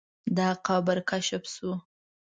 دا قبر کشف شو.